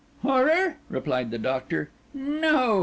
"Horror?" replied the Doctor. "No.